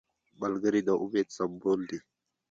ملګری د امید سمبول دی